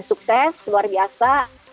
sukses luar biasa